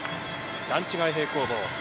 段違い平行棒。